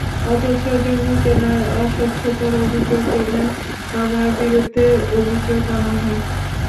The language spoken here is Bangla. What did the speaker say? অথচ জমি কেনায় অস্বচ্ছতার অভিযোগ এনে আমার বিরুদ্ধে অভিযোগ আনা হয়।